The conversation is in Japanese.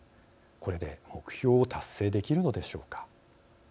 これで目標を達成できるのでしょうか。